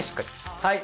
はい。